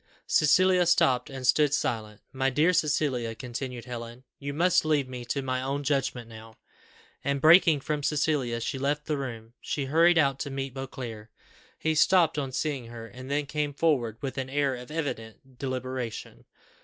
Cecilia stopped, and stood silent. "My dear Cecilia," continued Helen, "you must leave me to my own judgment now;" and, breaking from Cecilia, she left the room. She hurried out to meet Beauclerc. He stopped on seeing her, and then came forward with an air of evident deliberation.